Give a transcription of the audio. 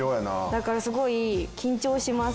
だからすごい緊張します。